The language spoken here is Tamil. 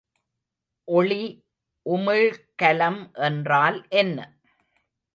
ஒளி உமிழ்கலம் என்றால் என்ன?